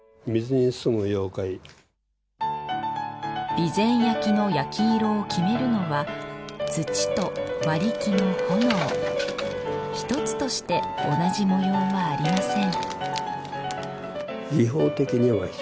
備前焼の焼き色を決めるのは土と割木の炎一つとして同じ模様はありません